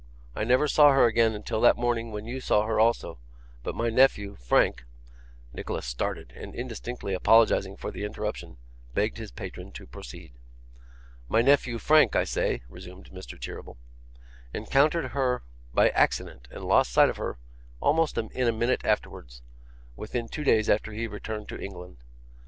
I never saw her again until that morning when you saw her also, but my nephew, Frank ' Nicholas started, and indistinctly apologising for the interruption, begged his patron to proceed. ' My nephew, Frank, I say,' resumed Mr. Cheeryble, 'encountered her by accident, and lost sight of her almost in a minute afterwards, within two days after he returned to England.